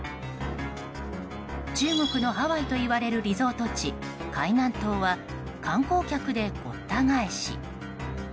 中国のハワイといわれるリゾート地、海南島は観光客でごった返し。